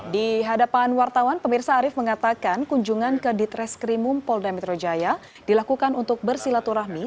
di hadapan wartawan pemirsa arief mengatakan kunjungan ke ditreskrimum polda metro jaya dilakukan untuk bersilaturahmi